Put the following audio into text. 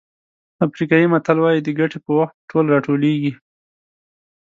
افریقایي متل وایي د ګټې په وخت ټول راټولېږي.